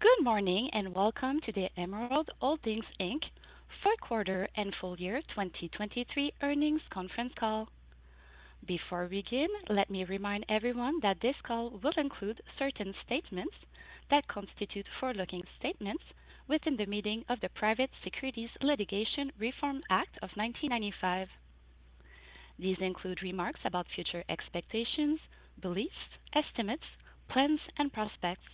Good morning, and welcome to the Emerald Holding, Inc. fourth quarter and full year 2023 earnings conference call. Before we begin, let me remind everyone that this call will include certain statements that constitute forward-looking statements within the meaning of the Private Securities Litigation Reform Act of 1995. These include remarks about future expectations, beliefs, estimates, plans, and prospects.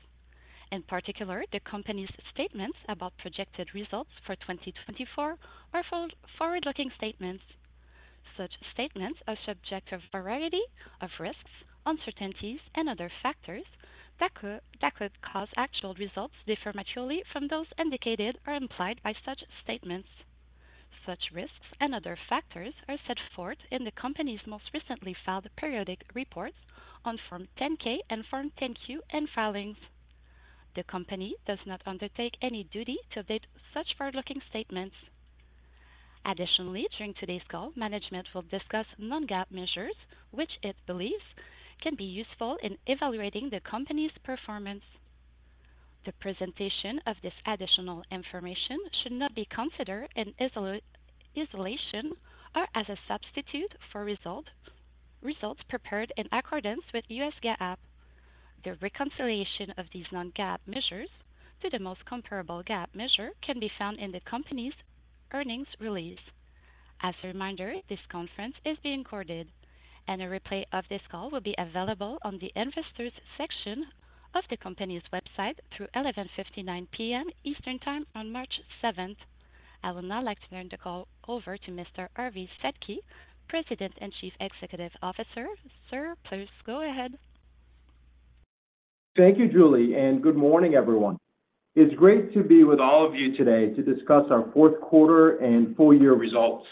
In particular, the company's statements about projected results for 2024 are forward-looking statements. Such statements are subject to a variety of risks, uncertainties, and other factors that could cause actual results to differ materially from those indicated or implied by such statements. Such risks and other factors are set forth in the company's most recently filed periodic reports on Form 10-K and Form 10-Q in filings. The company does not undertake any duty to update such forward-looking statements. Additionally, during today's call, management will discuss non-GAAP measures, which it believes can be useful in evaluating the company's performance. The presentation of this additional information should not be considered in isolation or as a substitute for results prepared in accordance with U.S. GAAP. The reconciliation of these non-GAAP measures to the most comparable GAAP measure can be found in the company's earnings release. As a reminder, this conference is being recorded, and a replay of this call will be available on the Investors section of the company's website through 11:59 P.M. Eastern Time on March seventh. I will now like to turn the call over to Mr. Hervé Sedky, President and Chief Executive Officer. Sir, please go ahead. Thank you, Julie, and good morning, everyone. It's great to be with all of you today to discuss our fourth quarter and full year results.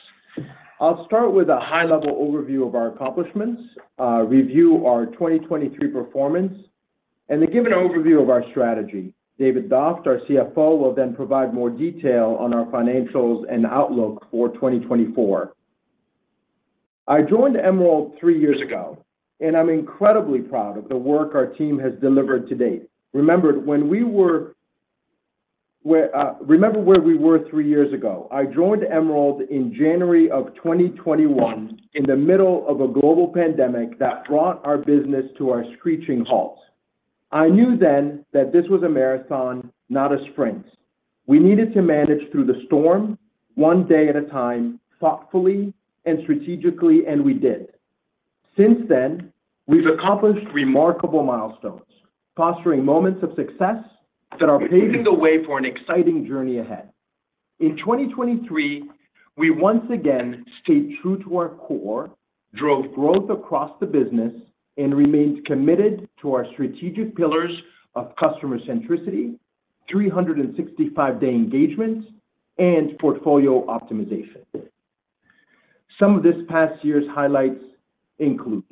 I'll start with a high-level overview of our accomplishments, review our 2023 performance, and then give an overview of our strategy. David Doft, our CFO, will then provide more detail on our financials and outlook for 2024. I joined Emerald three years ago, and I'm incredibly proud of the work our team has delivered to date. Remember where we were three years ago. I joined Emerald in January of 2021, in the middle of a global pandemic that brought our business to a screeching halt. I knew then that this was a marathon, not a sprint. We needed to manage through the storm one day at a time, thoughtfully and strategically, and we did. Since then, we've accomplished remarkable milestones, posturing moments of success that are paving the way for an exciting journey ahead. In 2023, we once again stayed true to our core, drove growth across the business, and remained committed to our strategic pillars of customer centricity, 365-day engagement, and portfolio optimization. Some of this past year's highlights include: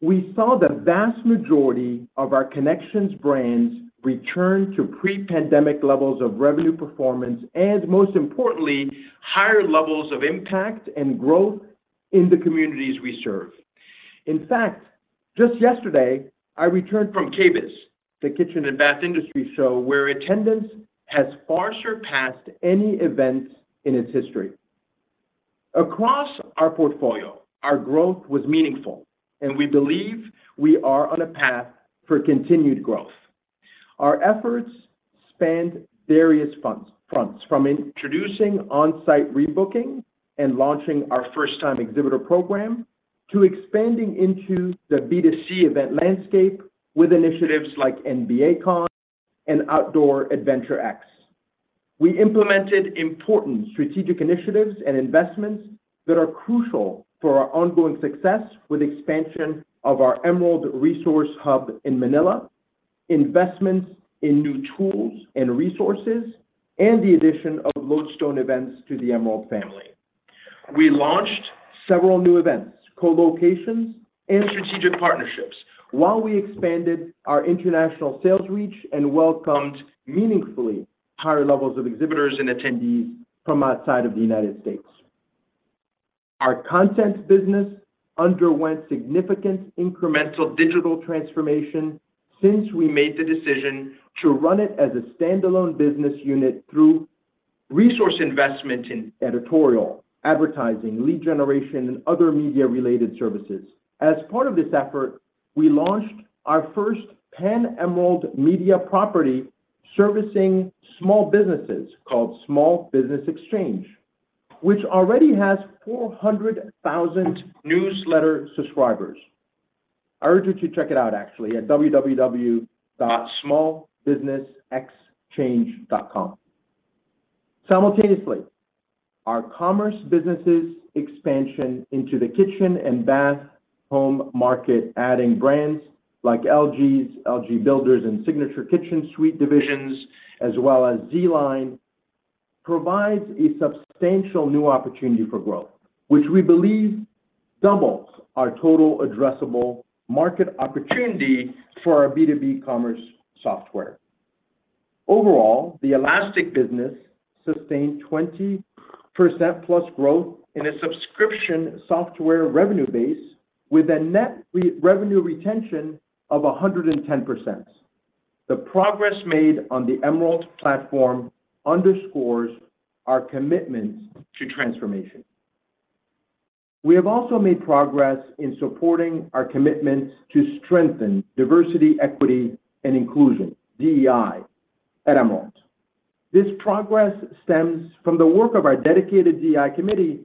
We saw the vast majority of our Connections brands return to pre-pandemic levels of revenue performance and, most importantly, higher levels of impact and growth in the communities we serve. In fact, just yesterday, I returned from KBIS, the Kitchen and Bath Industry Show, where attendance has far surpassed any events in its history. Across our portfolio, our growth was meaningful, and we believe we are on a path for continued growth. Our efforts spanned various fronts, from introducing on-site rebooking and launching our first-time exhibitor program, to expanding into the B2C event landscape with initiatives like NBA Con and Outdoor Adventure X. We implemented important strategic initiatives and investments that are crucial for our ongoing success with expansion of our Emerald Resource Hub in Manila, investments in new tools and resources, and the addition of Lodestone Events to the Emerald family. We launched several new events, co-locations and strategic partnerships while we expanded our international sales reach and welcomed meaningfully higher levels of exhibitors and attendees from outside of the United States. Our content business underwent significant incremental digital transformation since we made the decision to run it as a standalone business unit through resource investment in editorial, advertising, lead generation, and other media-related services. As part of this effort, we launched our first Pan-Emerald media property, servicing small businesses called Small Business Exchange, which already has 400,000 newsletter subscribers. I urge you to check it out actually at www.smallbusinessexchange.com. Simultaneously, our commerce businesses expansion into the kitchen and bath home market, adding brands like LG's, LG Builder and Signature Kitchen Suite divisions, as well as ZLINE, provides a substantial new opportunity for growth, which we believe doubles our total addressable market opportunity for our B2B commerce software. Overall, the Elastic business sustained 20%+ growth in a subscription software revenue base with a net revenue retention of 110%. The progress made on the Emerald platform underscores our commitment to transformation. We have also made progress in supporting our commitment to strengthen diversity, equity, and inclusion, DEI, at Emerald. This progress stems from the work of our dedicated DEI committee,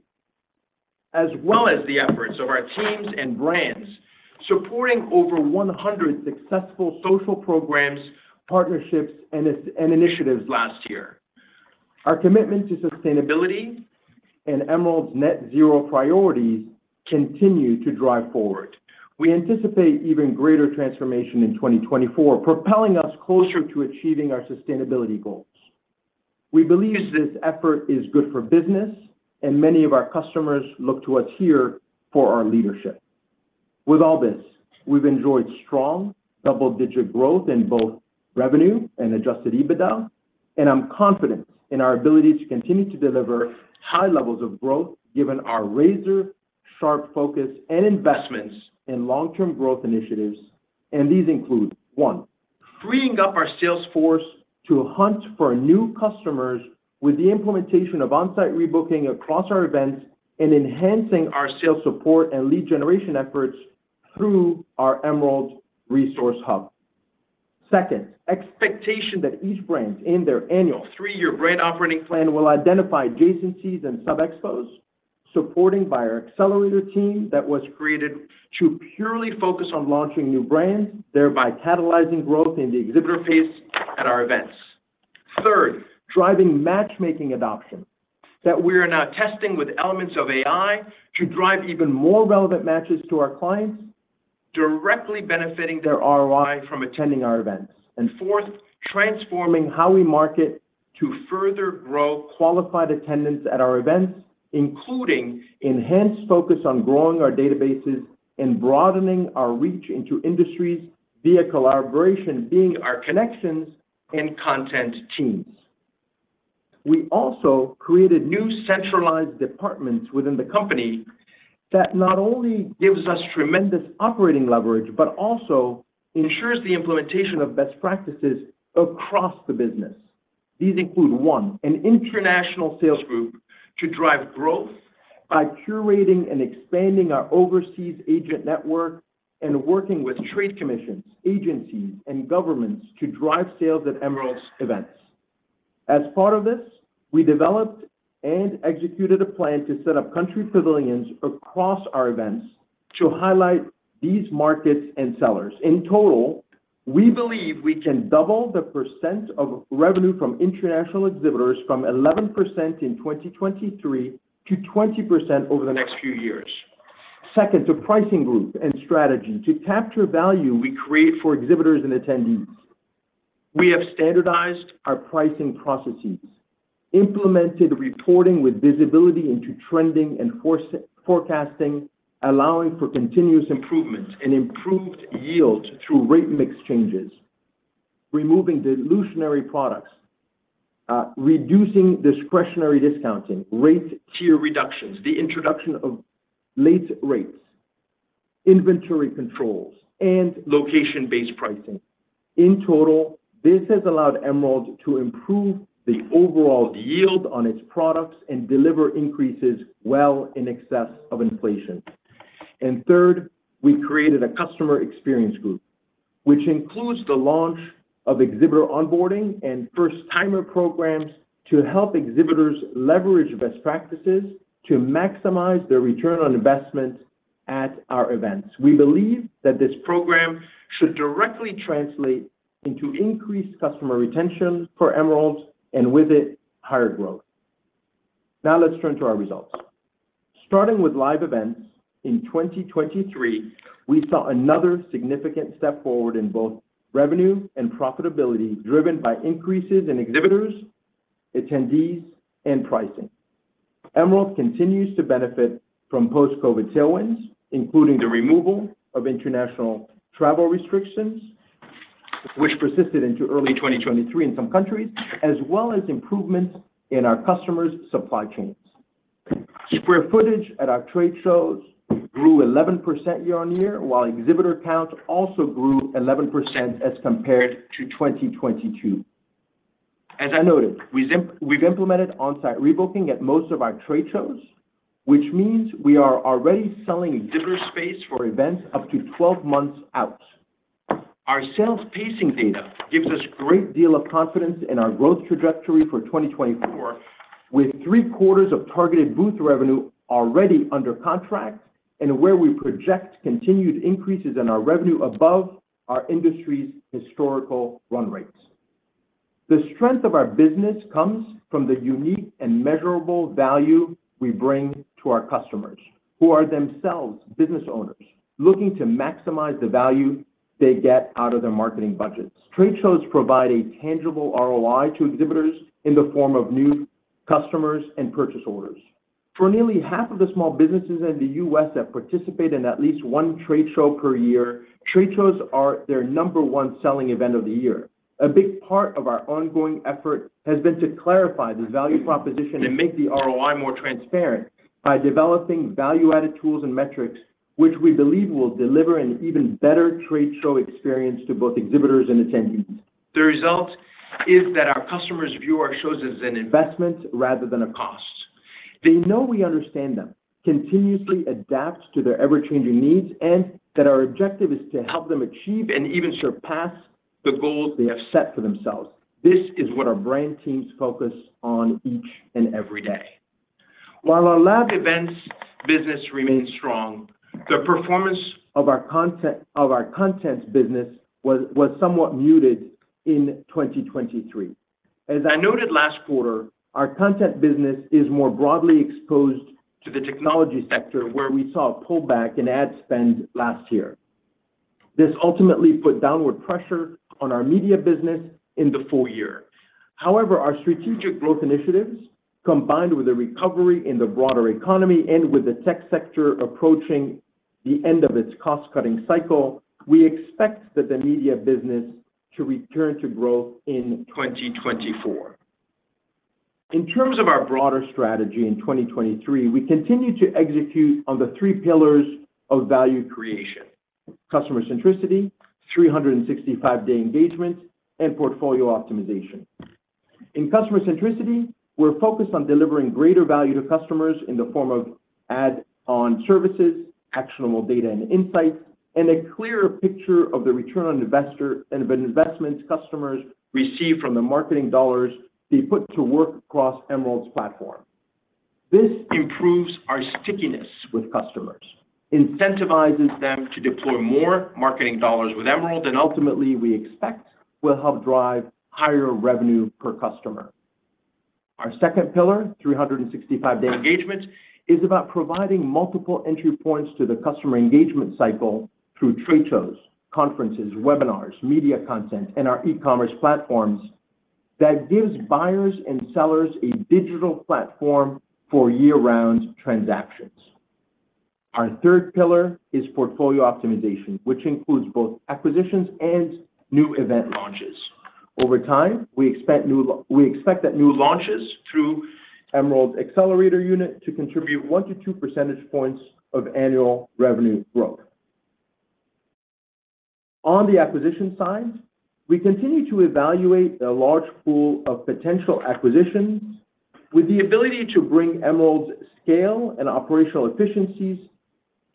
as well as the efforts of our teams and brands, supporting over 100 successful social programs, partnerships, and initiatives last year. Our commitment to sustainability and Emerald's net zero priorities continue to drive forward. We anticipate even greater transformation in 2024, propelling us closer to achieving our sustainability goals. We believe this effort is good for business, and many of our customers look to us here for our leadership. With all this, we've enjoyed strong double-digit growth in both revenue and Adjusted EBITDA, and I'm confident in our ability to continue to deliver high levels of growth, given our razor-sharp focus and investments in long-term growth initiatives. These include: One, freeing up our sales force to hunt for new customers with the implementation of on-site rebooking across our events and enhancing our sales support and lead generation efforts through our Emerald Resource Hub. Second, expectation that each brand in their annual three-year brand operating plan will identify adjacencies and sub-expos, supporting by our accelerator team that was created to purely focus on launching new brands, thereby catalyzing growth in the exhibitor base at our events. Third, driving matchmaking adoption that we are now testing with elements of AI to drive even more relevant matches to our clients, directly benefiting their ROI from attending our events. Fourth, transforming how we market to further grow qualified attendance at our events, including enhanced focus on growing our databases and broadening our reach into industries via collaboration, being our Connections and content teams. We also created new centralized departments within the company that not only gives us tremendous operating leverage, but also ensures the implementation of best practices across the business. These include, one, an international sales group to drive growth by curating and expanding our overseas agent network and working with trade commissions, agencies, and governments to drive sales at Emerald's events. As part of this, we developed and executed a plan to set up country pavilions across our events to highlight these markets and sellers. In total, we believe we can double the percent of revenue from international exhibitors from 11% in 2023 to 20% over the next few years. Second, the pricing group and strategy. To capture value we create for exhibitors and attendees, we have standardized our pricing processes, implemented reporting with visibility into trending and forecasting, allowing for continuous improvements and improved yield through rate mix changes, removing dilutionary products, reducing discretionary discounting, rate tier reductions, the introduction of late rates, inventory controls, and location-based pricing. In total, this has allowed Emerald to improve the overall yield on its products and deliver increases well in excess of inflation. And third, we created a customer experience group, which includes the launch of exhibitor onboarding and first-timer programs to help exhibitors leverage best practices to maximize their return on investment at our events. We believe that this program should directly translate into increased customer retention for Emerald and with it, higher growth. Now, let's turn to our results. Starting with live events in 2023, we saw another significant step forward in both revenue and profitability, driven by increases in exhibitors, attendees, and pricing. Emerald continues to benefit from post-COVID tailwinds, including the removal of international travel restrictions, which persisted into early 2023 in some countries, as well as improvements in our customers' supply chains. Square footage at our trade shows grew 11% year-on-year, while exhibitor count also grew 11% as compared to 2022. As I noted, we've implemented on-site rebooking at most of our trade shows, which means we are already selling exhibitor space for events up to 12 months out. Our sales pacing data gives us great deal of confidence in our growth trajectory for 2024, with 3 quarters of targeted booth revenue already under contract, and where we project continued increases in our revenue above our industry's historical run rates. The strength of our business comes from the unique and measurable value we bring to our customers, who are themselves business owners looking to maximize the value they get out of their marketing budgets. Trade shows provide a tangible ROI to exhibitors in the form of new customers and purchase orders. For nearly half of the small businesses in the U.S. that participate in at least 1 trade show per year, trade shows are their number 1 selling event of the year. A big part of our ongoing effort has been to clarify the value proposition and make the ROI more transparent.... by developing value-added tools and metrics, which we believe will deliver an even better trade show experience to both exhibitors and attendees. The result is that our customers view our shows as an investment rather than a cost. They know we understand them, continuously adapt to their ever-changing needs, and that our objective is to help them achieve and even surpass the goals they have set for themselves. This is what our brand teams focus on each and every day. While our live events business remains strong, the performance of our content business was somewhat muted in 2023. As I noted last quarter, our content business is more broadly exposed to the technology sector, where we saw a pullback in ad spend last year. This ultimately put downward pressure on our media business in the full year. However, our strategic growth initiatives, combined with a recovery in the broader economy and with the tech sector approaching the end of its cost-cutting cycle, we expect that the media business to return to growth in 2024. In terms of our broader strategy in 2023, we continued to execute on the three pillars of value creation: customer centricity, 365-day engagement, and portfolio optimization. In customer centricity, we're focused on delivering greater value to customers in the form of add-on services, actionable data and insights, and a clearer picture of the return on investment and of an investment customers receive from the marketing dollars they put to work across Emerald's platform. This improves our stickiness with customers, incentivizes them to deploy more marketing dollars with Emerald, and ultimately, we expect, will help drive higher revenue per customer. Our second pillar, 365-day engagement, is about providing multiple entry points to the customer engagement cycle through trade shows, conferences, webinars, media content, and our e-commerce platforms that gives buyers and sellers a digital platform for year-round transactions. Our third pillar is portfolio optimization, which includes both acquisitions and new event launches. Over time, we expect that new launches through Emerald's accelerator unit to contribute 1-2 percentage points of annual revenue growth. On the acquisition side, we continue to evaluate a large pool of potential acquisitions with the ability to bring Emerald's scale and operational efficiencies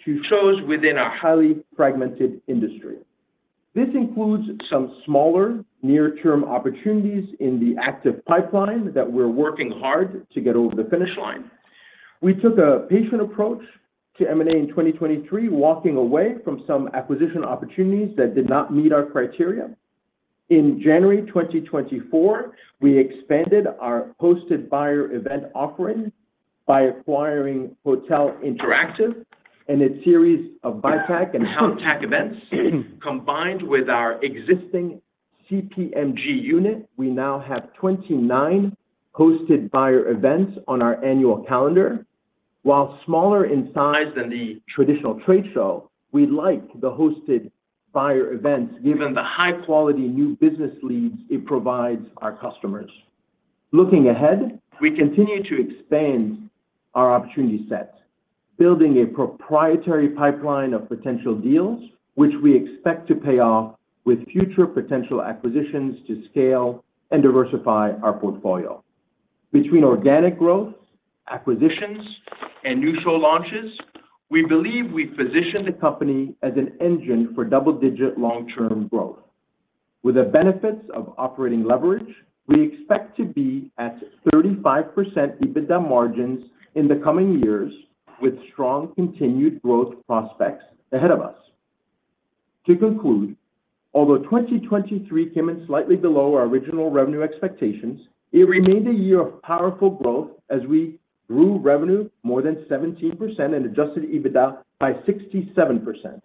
to shows within our highly fragmented industry. This includes some smaller, near-term opportunities in the active pipeline that we're working hard to get over the finish line. We took a patient approach to M&A in 2023, walking away from some acquisition opportunities that did not meet our criteria. In January 2024, we expanded our hosted buyer event offering by acquiring Hotel Interactive and a series of biotech and health tech events. Combined with our existing CPMG unit, we now have 29 hosted buyer events on our annual calendar. While smaller in size than the traditional trade show, we like the hosted buyer events, given the high-quality new business leads it provides our customers. Looking ahead, we continue to expand our opportunity set, building a proprietary pipeline of potential deals, which we expect to pay off with future potential acquisitions to scale and diversify our portfolio. Between organic growth, acquisitions, and new show launches, we believe we've positioned the company as an engine for double-digit long-term growth. With the benefits of operating leverage, we expect to be at 35% EBITDA margins in the coming years, with strong continued growth prospects ahead of us. To conclude, although 2023 came in slightly below our original revenue expectations, it remained a year of powerful growth as we grew revenue more than 17% and adjusted EBITDA by 67%.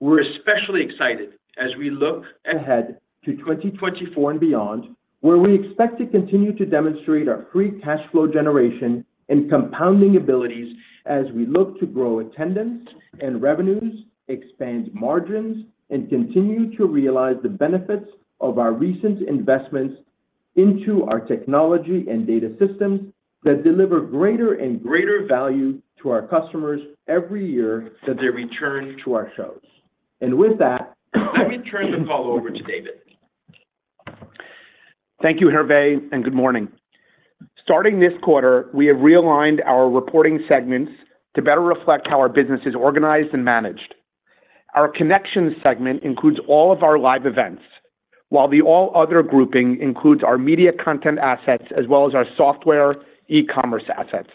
We're especially excited as we look ahead to 2024 and beyond, where we expect to continue to demonstrate our free cash flow generation and compounding abilities as we look to grow attendance and revenues, expand margins, and continue to realize the benefits of our recent investments into our technology and data systems that deliver greater and greater value to our customers every year that they return to our shows. With that, let me turn the call over to David. Thank you, Hervé, and good morning. Starting this quarter, we have realigned our reporting segments to better reflect how our business is organized and managed. Our Connections segment includes all of our live events, while the All Other grouping includes our media content assets as well as our software, e-commerce assets.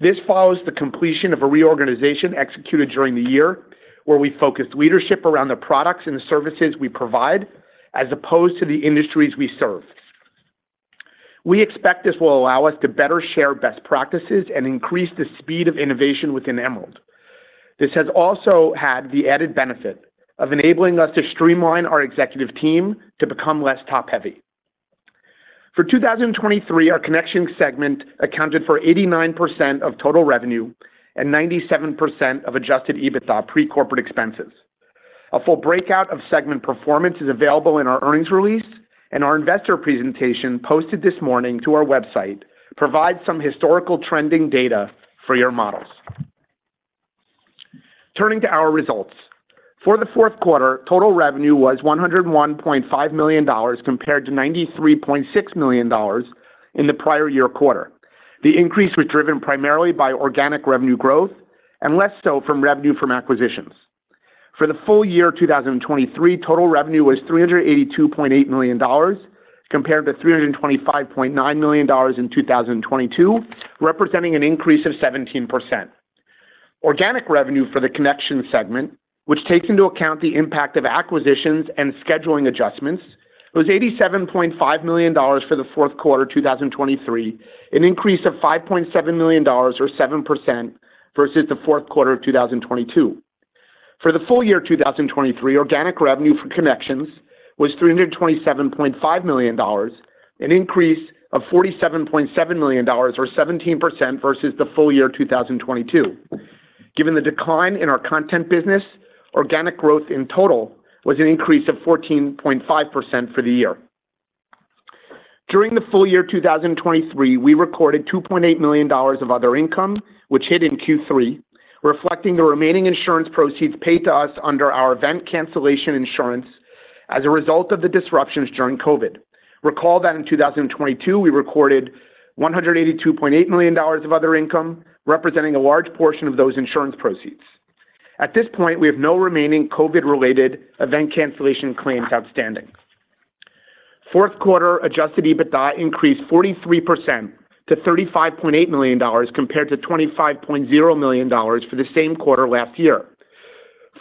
This follows the completion of a reorganization executed during the year, where we focused leadership around the products and the services we provide, as opposed to the industries we serve. We expect this will allow us to better share best practices and increase the speed of innovation within Emerald. This has also had the added benefit of enabling us to streamline our executive team to become less top-heavy. For 2023, our Connection segment accounted for 89% of total revenue and 97% of Adjusted EBITDA pre-corporate expenses. A full breakout of segment performance is available in our earnings release, and our investor presentation, posted this morning to our website, provides some historical trending data for your models. Turning to our results. For the fourth quarter, total revenue was $101.5 million, compared to $93.6 million in the prior year quarter. The increase was driven primarily by organic revenue growth and less so from revenue from acquisitions. For the full year, 2023, total revenue was $382.8 million, compared to $325.9 million in 2022, representing an increase of 17%. Organic revenue for the Connection segment, which takes into account the impact of acquisitions and scheduling adjustments, was $87.5 million for the fourth quarter, 2023, an increase of $5.7 million, or 7%, versus the fourth quarter of 2022. For the full year, 2023, organic revenue for Connections was $327.5 million, an increase of $47.7 million, or 17%, versus the full year, 2022. Given the decline in our content business, organic growth in total was an increase of 14.5% for the year. During the full year 2023, we recorded $2.8 million of other income, which hit in Q3, reflecting the remaining insurance proceeds paid to us under our event cancellation insurance as a result of the disruptions during COVID. Recall that in 2022, we recorded $182.8 million of other income, representing a large portion of those insurance proceeds. At this point, we have no remaining COVID-related event cancellation claims outstanding. Fourth quarter Adjusted EBITDA increased 43% to $35.8 million, compared to $25.0 million for the same quarter last year.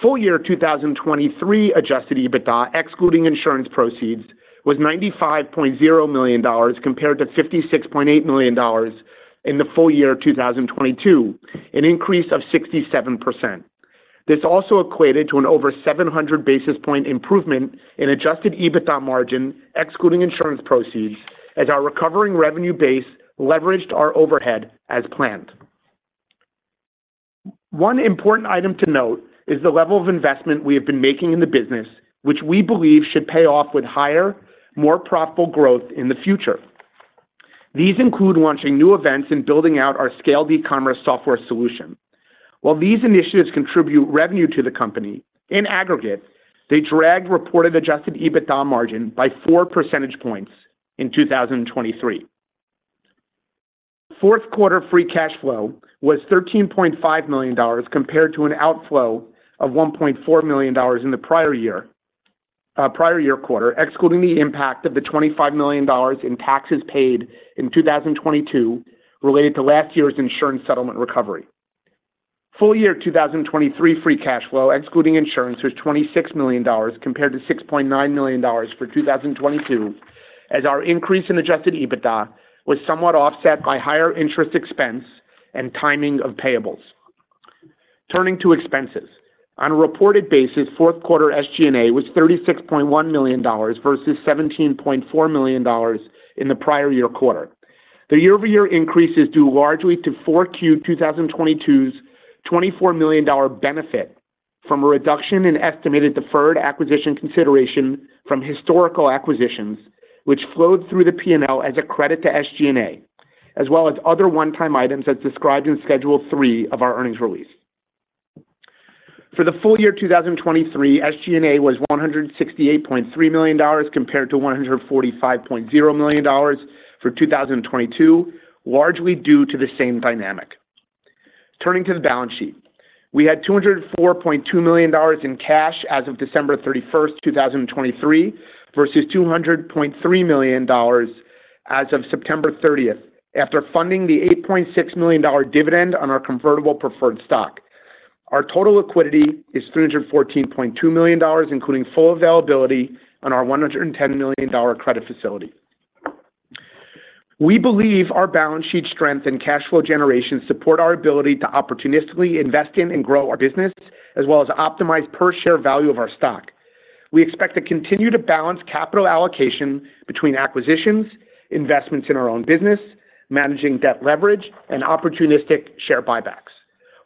Full year 2023 Adjusted EBITDA, excluding insurance proceeds, was $95.0 million, compared to $56.8 million in the full year of 2022, an increase of 67%. This also equated to an over 700 basis point improvement in adjusted EBITDA margin, excluding insurance proceeds, as our recovering revenue base leveraged our overhead as planned. One important item to note is the level of investment we have been making in the business, which we believe should pay off with higher, more profitable growth in the future. These include launching new events and building out our scale e-commerce software solution. While these initiatives contribute revenue to the company, in aggregate, they dragged reported adjusted EBITDA margin by 4 percentage points in 2023. Fourth quarter free cash flow was $13.5 million, compared to an outflow of $1.4 million in the prior year, prior year quarter, excluding the impact of the $25 million in taxes paid in 2022 related to last year's insurance settlement recovery. Full-year 2023 free cash flow, excluding insurance, was $26 million, compared to $6.9 million for 2022, as our increase in adjusted EBITDA was somewhat offset by higher interest expense and timing of payables. Turning to expenses. On a reported basis, fourth quarter SG&A was $36.1 million versus $17.4 million in the prior year quarter. The year-over-year increase is due largely to 4Q 2022's $24 million dollar benefit from a reduction in estimated deferred acquisition consideration from historical acquisitions, which flowed through the P&L as a credit to SG&A, as well as other one-time items as described in Schedule 3 of our earnings release. For the full year 2023, SG&A was $168.3 million, compared to $145.0 million for 2022, largely due to the same dynamic. Turning to the balance sheet. We had $204.2 million in cash as of December 31st, 2023, versus $200.3 million as of September 30th, after funding the $8.6 million dividend on our convertible preferred stock. Our total liquidity is $314.2 million, including full availability on our $110 million credit facility. We believe our balance sheet strength and cash flow generation support our ability to opportunistically invest in and grow our business, as well as optimize per share value of our stock. We expect to continue to balance capital allocation between acquisitions, investments in our own business, managing debt leverage, and opportunistic share buybacks.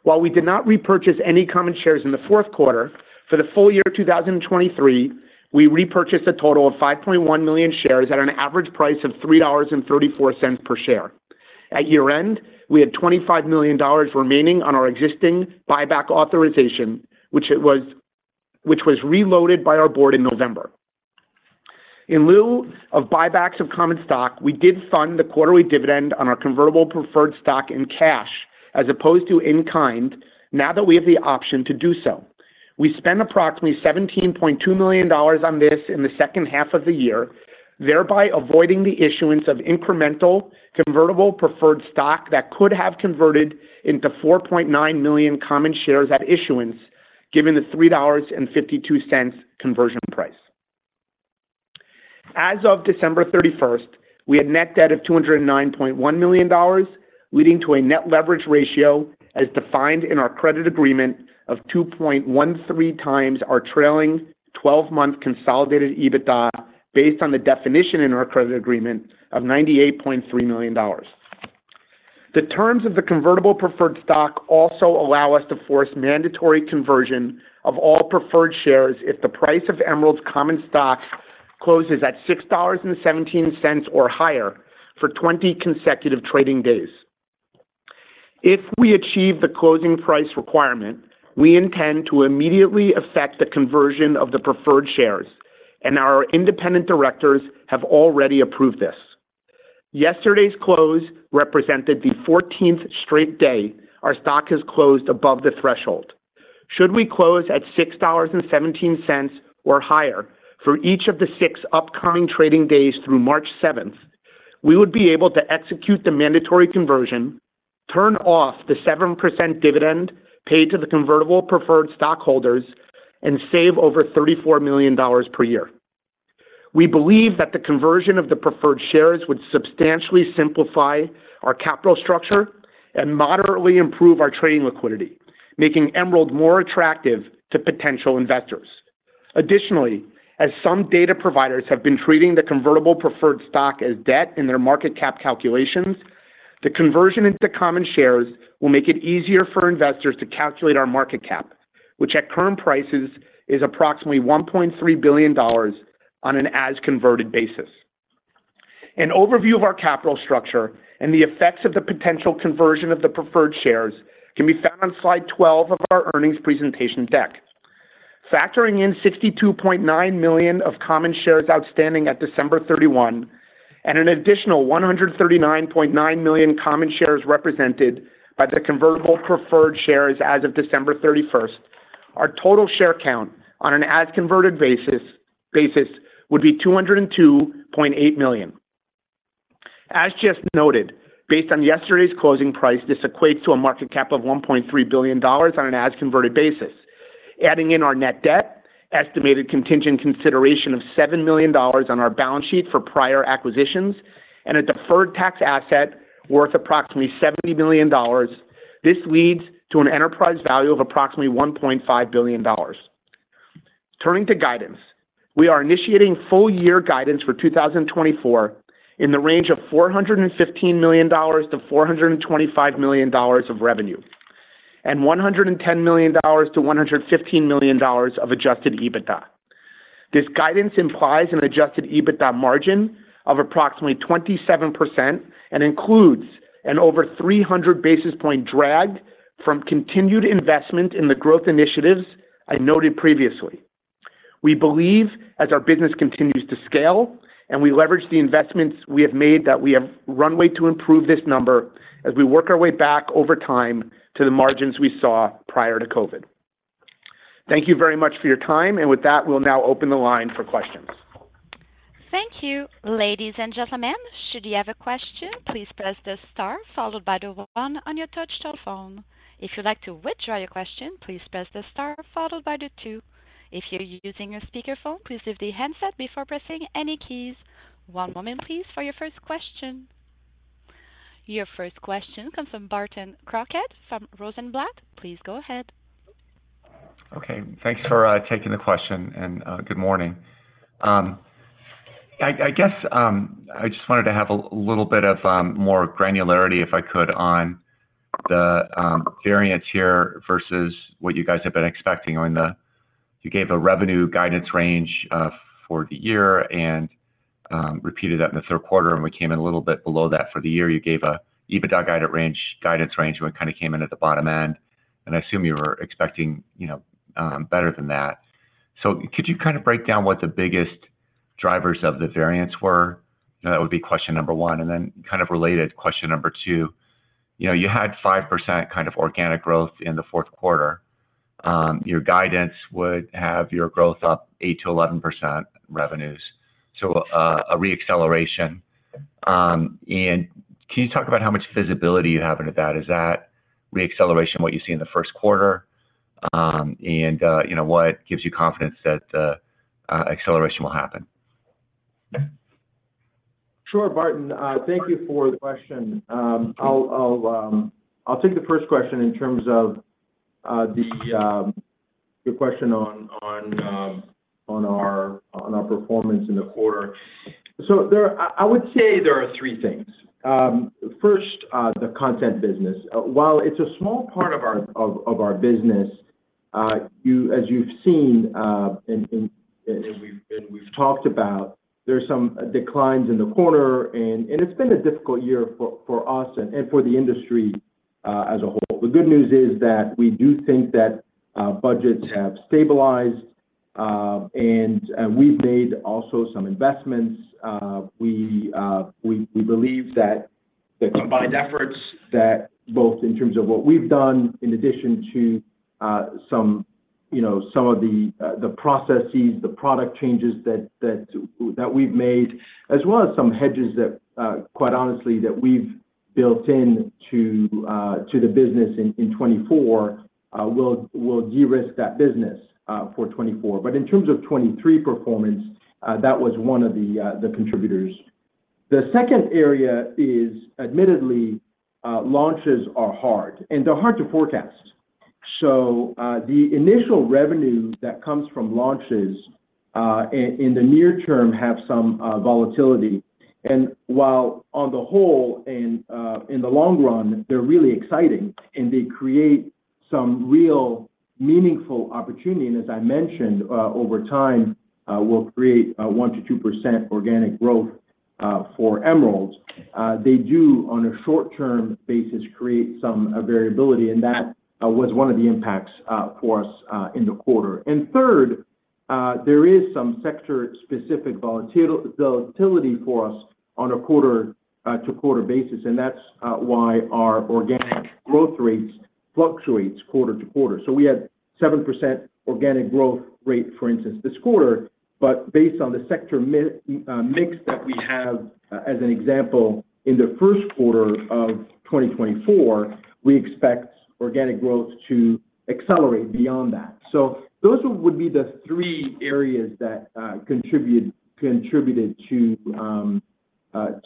While we did not repurchase any common shares in the fourth quarter, for the full year of 2023, we repurchased a total of 5.1 million shares at an average price of $3.34 per share. At year-end, we had $25 million remaining on our existing buyback authorization, which was reloaded by our board in November. In lieu of buybacks of common stock, we did fund the quarterly dividend on our convertible preferred stock in cash as opposed to in-kind, now that we have the option to do so. We spent approximately $17.2 million on this in the second half of the year, thereby avoiding the issuance of incremental convertible preferred stock that could have converted into 4.9 million common shares at issuance, given the $3.52 conversion price. As of December 31st, we had net debt of $209.1 million, leading to a net leverage ratio as defined in our credit agreement of 2.13 times our trailing twelve-month consolidated EBITDA, based on the definition in our credit agreement of $98.3 million. The terms of the convertible preferred stock also allow us to force mandatory conversion of all preferred shares if the price of Emerald's common stock closes at $6.17 or higher for 20 consecutive trading days. If we achieve the closing price requirement, we intend to immediately effect the conversion of the preferred shares, and our independent directors have already approved this. Yesterday's close represented the fourteenth straight day our stock has closed above the threshold. Should we close at $6.17 or higher for each of the 6 upcoming trading days through March 7th, we would be able to execute the mandatory conversion, turn off the 7% dividend paid to the convertible preferred stockholders, and save over $34 million per year. We believe that the conversion of the preferred shares would substantially simplify our capital structure and moderately improve our trading liquidity, making Emerald more attractive to potential investors. Additionally, as some data providers have been treating the convertible preferred stock as debt in their market cap calculations, the conversion into common shares will make it easier for investors to calculate our market cap, which at current prices, is approximately $1.3 billion on an as converted basis. An overview of our capital structure and the effects of the potential conversion of the preferred shares can be found on Slide 12 of our earnings presentation deck. Factoring in 62.9 million of common shares outstanding at December 31, and an additional 139.9 million common shares represented by the convertible preferred shares as of December 31st, our total share count on an as converted basis would be 202.8 million. As just noted, based on yesterday's closing price, this equates to a market cap of $1.3 billion on an as converted basis. Adding in our net debt, estimated contingent consideration of $7 million on our balance sheet for prior acquisitions, and a deferred tax asset worth approximately $70 million, this leads to an enterprise value of approximately $1.5 billion. Turning to guidance, we are initiating full year guidance for 2024, in the range of $415 million-$425 million of revenue, and $110 million-$115 million of Adjusted EBITDA. This guidance implies an Adjusted EBITDA margin of approximately 27% and includes an over 300 basis point drag from continued investment in the growth initiatives I noted previously. We believe, as our business continues to scale and we leverage the investments we have made, that we have runway to improve this number as we work our way back over time to the margins we saw prior to COVID. Thank you very much for your time, and with that, we'll now open the line for questions. Thank you. Ladies and gentlemen, should you have a question, please press the star followed by the one on your touchtone phone. If you'd like to withdraw your question, please press the star followed by the two. If you're using a speakerphone, please lift the handset before pressing any keys. One moment, please, for your first question. Your first question comes from Barton Crockett, from Rosenblatt. Please go ahead. Okay, thanks for taking the question, and good morning. I guess I just wanted to have a little bit of more granularity, if I could, on the variance here versus what you guys have been expecting on the... You gave a revenue guidance range for the year and repeated that in the third quarter, and we came in a little bit below that for the year. You gave a EBITDA guidance range, and we kind of came in at the bottom end, and I assume you were expecting, you know, better than that. So could you kind of break down what the biggest drivers of the variance were? That would be question number one, and then kind of related question number two, you know, you had 5% kind of organic growth in the fourth quarter. Your guidance would have your growth up 8%-11% revenues, so, a re-acceleration. And can you talk about how much visibility you have into that? Is that re-acceleration, what you see in the first quarter? And, you know, what gives you confidence that, acceleration will happen? Sure, Barton. Thank you for the question. I'll take the first question in terms of the question on our performance in the quarter. So there—I would say there are three things. First, the content business. While it's a small part of our business, as you've seen, and we've talked about, there's some declines in the quarter and it's been a difficult year for us and for the industry as a whole. The good news is that we do think that budgets have stabilized and we've made also some investments. We believe that the combined efforts that both in terms of what we've done, in addition to, some, you know, some of the, the processes, the product changes that we've made, as well as some hedges that, quite honestly, that we've built in to the business in 2024, will de-risk that business for 2024. But in terms of 2023 performance, that was one of the, the contributors. The second area is, admittedly, launches are hard, and they're hard to forecast. ...So, the initial revenue that comes from launches in the near term have some volatility. And while on the whole and in the long run, they're really exciting, and they create some real meaningful opportunity, and as I mentioned, over time, will create a 1%-2% organic growth for Emerald. They do, on a short-term basis, create some variability, and that was one of the impacts for us in the quarter. And third, there is some sector-specific volatility for us on a quarter to quarter basis, and that's why our organic growth rates fluctuates quarter to quarter. So we had 7% organic growth rate, for instance, this quarter, but based on the sector mix that we have, as an example, in the first quarter of 2024, we expect organic growth to accelerate beyond that. So those would be the three areas that contributed to, you know,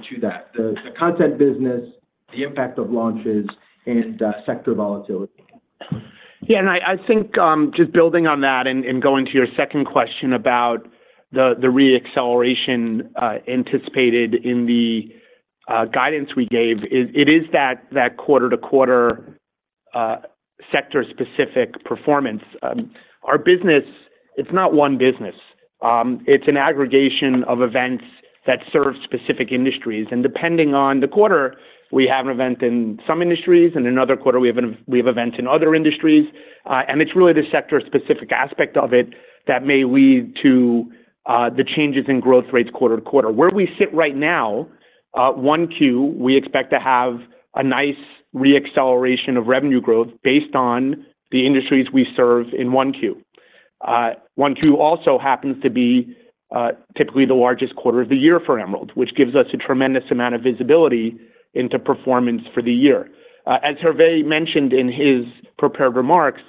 to that. The content business, the impact of launches, and sector volatility. Yeah, and I think just building on that and going to your second question about the re-acceleration anticipated in the guidance we gave, it is that quarter-to-quarter sector-specific performance. Our business, it's not one business. It's an aggregation of events that serve specific industries, and depending on the quarter, we have an event in some industries, and another quarter, we have events in other industries. And it's really the sector-specific aspect of it that may lead to the changes in growth rates quarter to quarter. Where we sit right now, 1Q, we expect to have a nice re-acceleration of revenue growth based on the industries we serve in 1Q. Q1 also happens to be typically the largest quarter of the year for Emerald, which gives us a tremendous amount of visibility into performance for the year. As Hervé mentioned in his prepared remarks,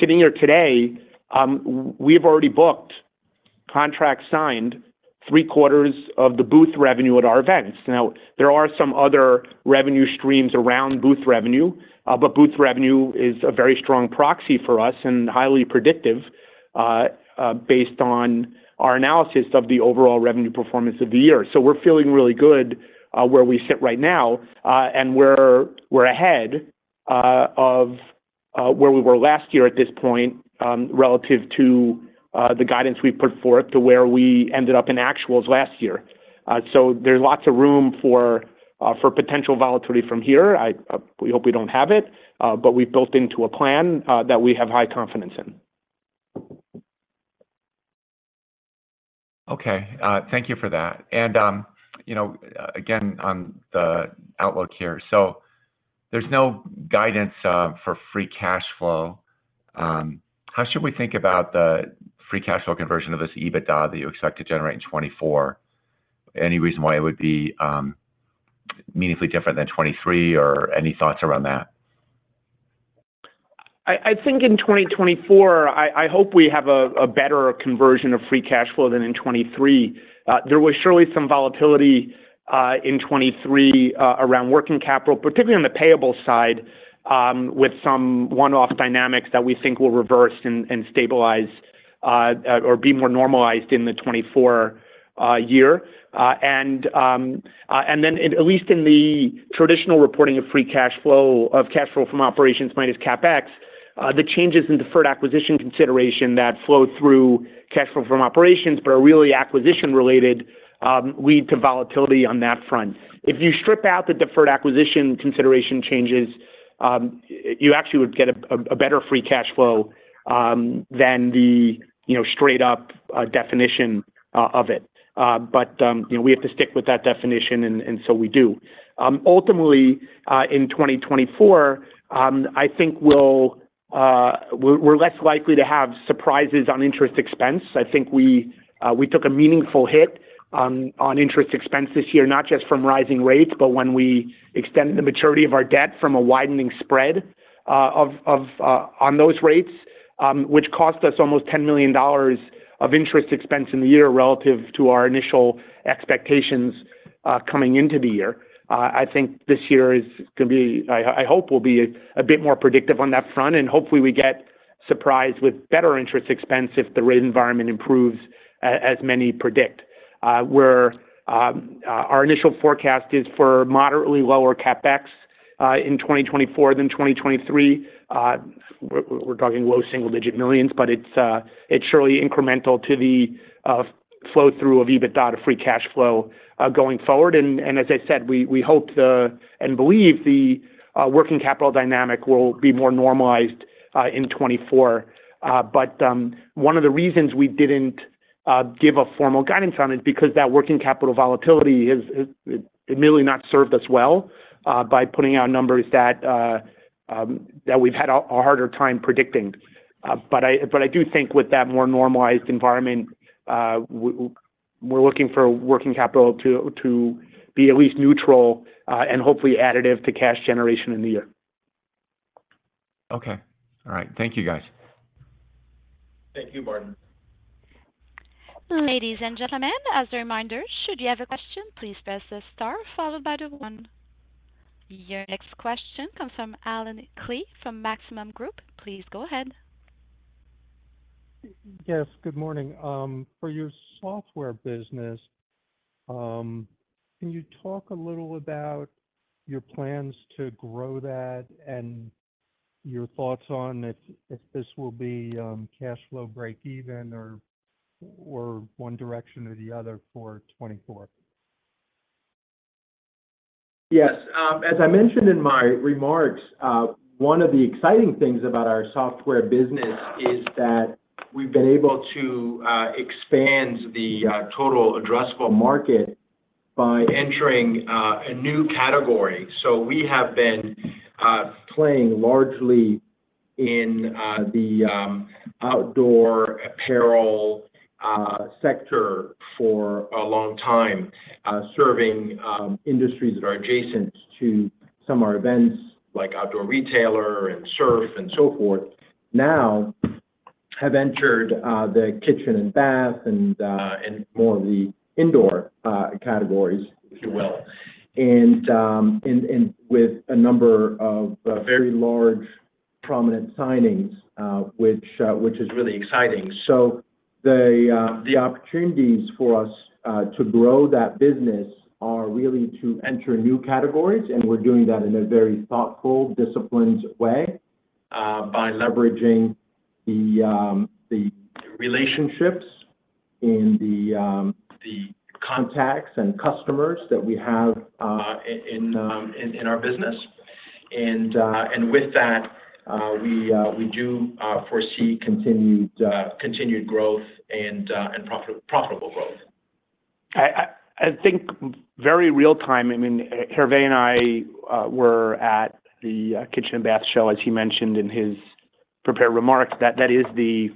sitting here today, we've already booked contract-signed three-quarters of the booth revenue at our events. Now, there are some other revenue streams around booth revenue, but booth revenue is a very strong proxy for us and highly predictive, based on our analysis of the overall revenue performance of the year. So we're feeling really good where we sit right now, and we're ahead of where we were last year at this point, relative to the guidance we've put forth to where we ended up in actuals last year. So there's lots of room for potential volatility from here. We hope we don't have it, but we've built into a plan that we have high confidence in. Okay. Thank you for that. And, you know, again, on the outlook here. So there's no guidance for Free Cash Flow. How should we think about the Free Cash Flow conversion of this EBITDA that you expect to generate in 2024? Any reason why it would be meaningfully different than 2023, or any thoughts around that? I think in 2024, I hope we have a better conversion of free cash flow than in 2023. There was surely some volatility in 2023 around working capital, particularly on the payable side, with some one-off dynamics that we think will reverse and stabilize or be more normalized in the 2024 year. And then at least in the traditional reporting of free cash flow, of cash flow from operations minus CapEx, the changes in deferred acquisition consideration that flow through cash flow from operations, but are really acquisition-related, lead to volatility on that front. If you strip out the deferred acquisition consideration changes, you actually would get a better free cash flow than the, you know, straight-up definition of it. But, you know, we have to stick with that definition, and so we do. Ultimately, in 2024, I think we'll... we're less likely to have surprises on interest expense. I think we took a meaningful hit on interest expense this year, not just from rising rates, but when we extended the maturity of our debt from a widening spread on those rates, which cost us almost $10 million of interest expense in the year relative to our initial expectations coming into the year. I think this year is gonna be... I hope will be a bit more predictive on that front, and hopefully, we get surprised with better interest expense if the rate environment improves as many predict. Our initial forecast is for moderately lower CapEx in 2024 than 2023. We're talking low single-digit millions, but it's surely incremental to the flow-through of EBITDA to free cash flow going forward. And as I said, we hope and believe the working capital dynamic will be more normalized in 2024. But one of the reasons we didn't give a formal guidance on it because that working capital volatility has admittedly not served us well by putting out numbers that we've had a harder time predicting. But I do think with that more normalized environment, we're looking for working capital to be at least neutral and hopefully additive to cash generation in the year. Okay. All right. Thank you, guys. Thank you, Barton. Ladies and gentlemen, as a reminder, should you have a question, please press star followed by the one. Your next question comes from Allen Klee from Maxim Group. Please go ahead. Yes, good morning. For your software business, can you talk a little about your plans to grow that and your thoughts on if this will be cash flow breakeven or one direction or the other for 2024? Yes. As I mentioned in my remarks, one of the exciting things about our software business is that we've been able to expand the total addressable market by entering a new category. So we have been playing largely in the outdoor apparel sector for a long time, serving industries that are adjacent to some of our events, like Outdoor Retailer and Surf Expo and so forth. Now have entered the kitchen and bath and more of the indoor categories, if you will. And with a number of very large prominent signings, which is really exciting. So the opportunities for us to grow that business are really to enter new categories, and we're doing that in a very thoughtful, disciplined way by leveraging the relationships and the contacts and customers that we have in our business. And with that, we foresee continued growth and profitable growth. I think very real time, I mean, Hervé and I were at the Kitchen and Bath Show, as he mentioned in his prepared remarks, that that is the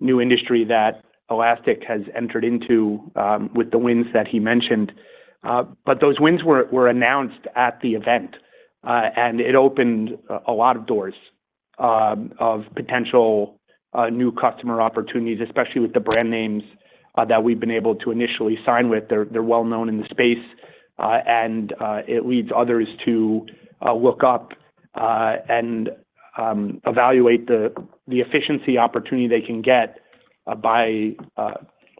new industry that Elastic has entered into with the wins that he mentioned. But those wins were announced at the event, and it opened a lot of doors of potential new customer opportunities, especially with the brand names that we've been able to initially sign with. They're well known in the space, and it leads others to look up and evaluate the efficiency opportunity they can get by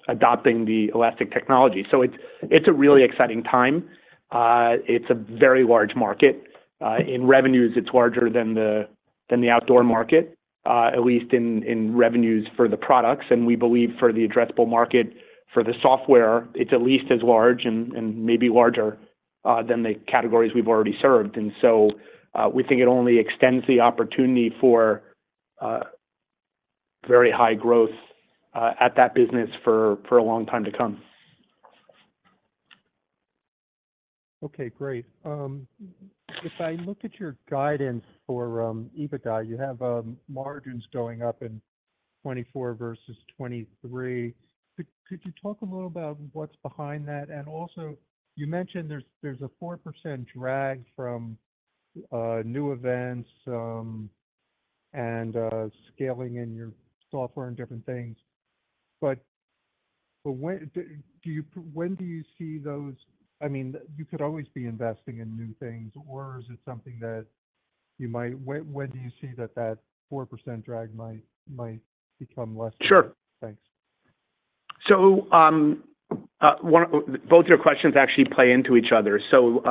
adopting the Elastic technology. So it's a really exciting time. It's a very large market. In revenues, it's larger than the outdoor market, at least in revenues for the products. And we believe for the addressable market, for the software, it's at least as large and maybe larger than the categories we've already served. We think it only extends the opportunity for very high growth at that business for a long time to come. Okay, great. If I look at your guidance for EBITDA, you have margins going up in 2024 versus 2023. Could, could you talk a little about what's behind that? And also you mentioned there's, there's a 4% drag from new events and scaling in your software and different things. But, but when do you-- when do you see those... I mean, you could always be investing in new things, or is it something that you might-- when, when do you see that that 4% drag might, might become less? Sure. Thanks. So, both your questions actually play into each other. So,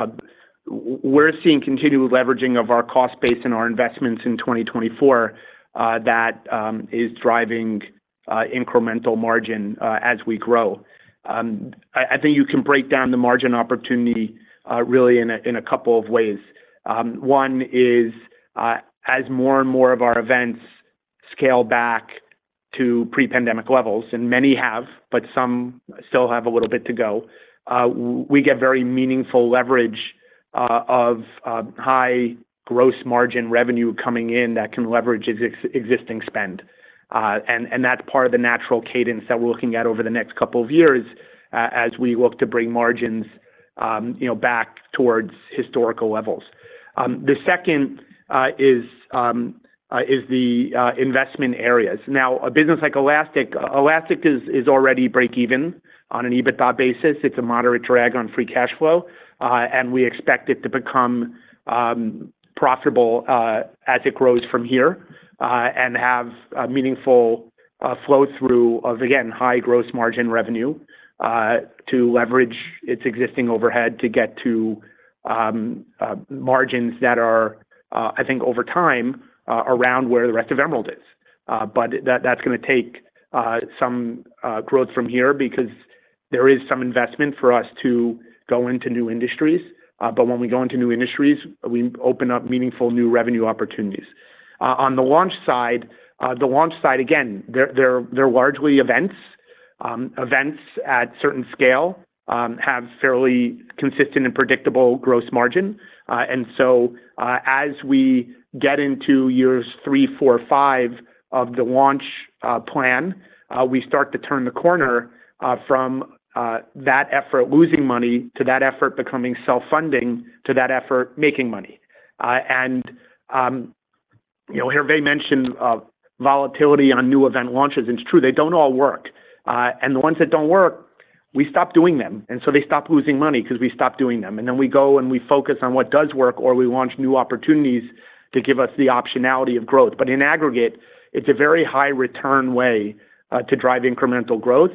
we're seeing continued leveraging of our cost base and our investments in 2024, that is driving incremental margin as we grow. I think you can break down the margin opportunity really in a couple of ways. One is as more and more of our events scale back to pre-pandemic levels, and many have, but some still have a little bit to go, we get very meaningful leverage of high gross margin revenue coming in that can leverage existing spend. And that's part of the natural cadence that we're looking at over the next couple of years as we look to bring margins, you know, back towards historical levels. The second is the investment areas. Now, a business like Elastic is already breakeven on an EBITDA basis. It's a moderate drag on free cash flow, and we expect it to become profitable as it grows from here, and have a meaningful flow-through of, again, high gross margin revenue to leverage its existing overhead to get to margins that are, I think over time, around where the rest of Emerald is. But that's gonna take some growth from here because there is some investment for us to go into new industries. But when we go into new industries, we open up meaningful new revenue opportunities. On the launch side, again, they're largely events. Events at certain scale have fairly consistent and predictable gross margin. And so, as we get into years three, four, five of the launch plan, we start to turn the corner from that effort losing money to that effort becoming self-funding, to that effort making money. You know, Hervé mentioned volatility on new event launches, and it's true, they don't all work. And the ones that don't work, we stop doing them, and so they stop losing money because we stop doing them. And then we go and we focus on what does work, or we launch new opportunities to give us the optionality of growth. But in aggregate, it's a very high return way to drive incremental growth.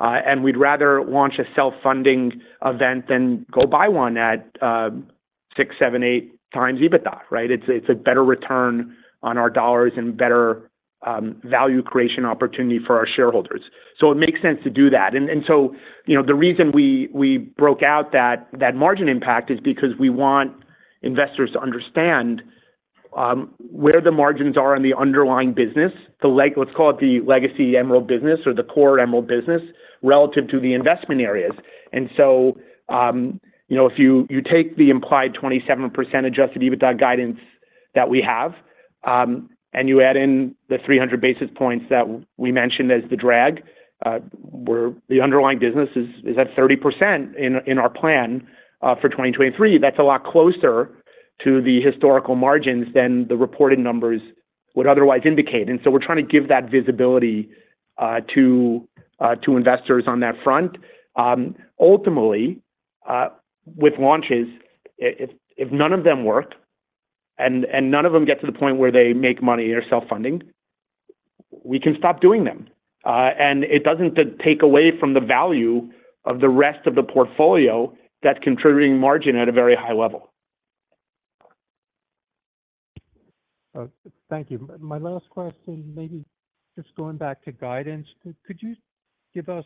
And we'd rather launch a self-funding event than go buy one at 6, 7, 8 times EBITDA, right? It's a better return on our dollars and better value creation opportunity for our shareholders. So it makes sense to do that. And so, you know, the reason we broke out that margin impact is because we want investors to understand where the margins are on the underlying business. Let's call it the legacy Emerald business or the core Emerald business, relative to the investment areas. And so, you know, if you take the implied 27% adjusted EBITDA guidance that we have, and you add in the 300 basis points that we mentioned as the drag, where the underlying business is at 30% in our plan for 2023. That's a lot closer to the historical margins than the reported numbers would otherwise indicate. And so we're trying to give that visibility, to, to investors on that front. Ultimately, with launches, if none of them work and none of them get to the point where they make money or are self-funding, we can stop doing them, and it doesn't take away from the value of the rest of the portfolio, that contributing margin at a very high level. Thank you. My last question, maybe just going back to guidance. Could you give us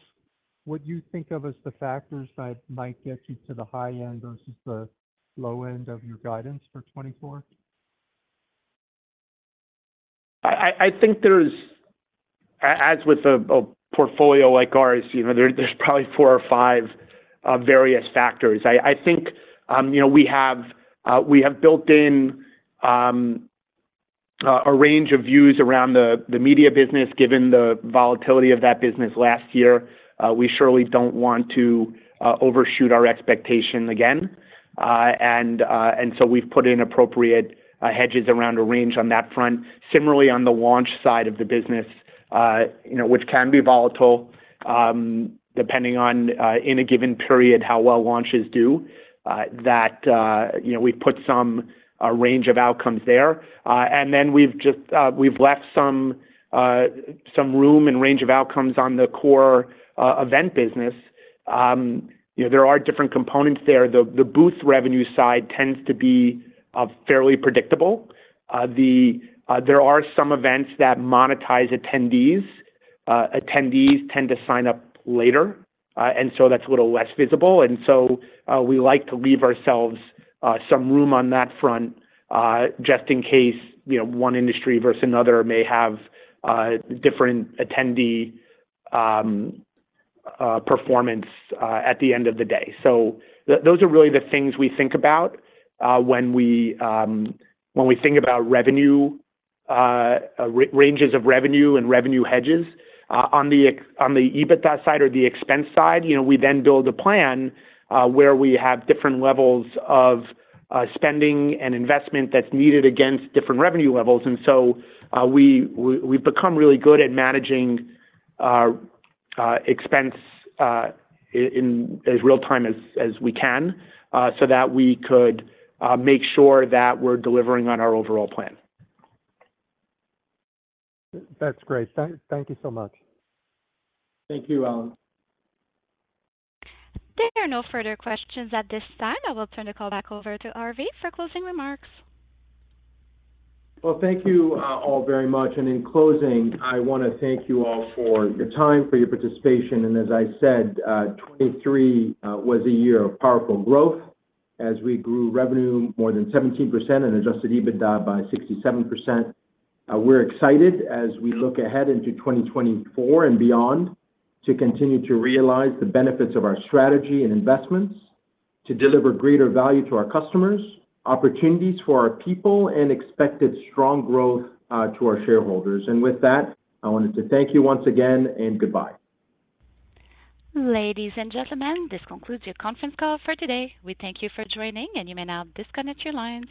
what you think of as the factors that might get you to the high end versus the low end of your guidance for 2024? I think there's... As with a portfolio like ours, you know, there's probably four or five various factors. I think, you know, we have built in a range of views around the media business, given the volatility of that business last year. We surely don't want to overshoot our expectation again. And so we've put in appropriate hedges around a range on that front. Similarly, on the launch side of the business, you know, which can be volatile, depending on, in a given period, how well launches do, you know, we've put some range of outcomes there. And then we've just left some room and range of outcomes on the core event business. You know, there are different components there. The booth revenue side tends to be fairly predictable. There are some events that monetize attendees. Attendees tend to sign up later, and so that's a little less visible. And so we like to leave ourselves some room on that front, just in case, you know, one industry versus another may have different attendee performance at the end of the day. So those are really the things we think about when we think about revenue ranges of revenue and revenue hedges. On the EBITDA side or the expense side, you know, we then build a plan where we have different levels of spending and investment that's needed against different revenue levels. And so, we've become really good at managing our expense in as real time as we can, so that we could make sure that we're delivering on our overall plan. That's great. Thank you so much. Thank you, Allen. There are no further questions at this time. I will turn the call back over to Hervé for closing remarks. Well, thank you, all very much. And in closing, I want to thank you all for your time, for your participation. And as I said, 2023 was a year of powerful growth as we grew revenue more than 17% and Adjusted EBITDA by 67%. We're excited as we look ahead into 2024 and beyond, to continue to realize the benefits of our strategy and investments, to deliver greater value to our customers, opportunities for our people, and expected strong growth to our shareholders. And with that, I wanted to thank you once again and goodbye. Ladies and gentlemen, this concludes your conference call for today. We thank you for joining, and you may now disconnect your lines.